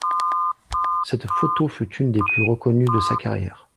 Cette photo fut une des plus reconnues de sa carrière.